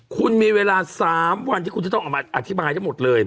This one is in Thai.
คุณมีเวลา๓วันที่คุณจะต้องออกมาอธิบายทั้งหมดเลย